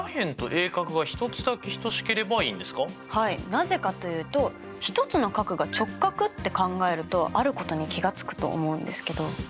なぜかというと１つの角が直角って考えるとあることに気が付くと思うんですけど。